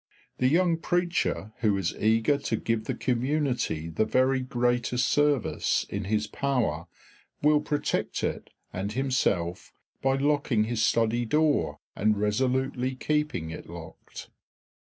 The young preacher who is eager to give the community the very greatest service in his power will protect it and himself by locking his study door and resolutely keeping it locked.